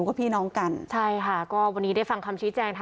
คุณพ่อคุณว่าไง